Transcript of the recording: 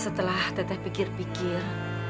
setelah tete pikir pikir